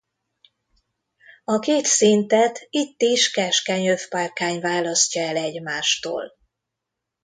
A két szintet itt is keskeny övpárkány választja el egymástól.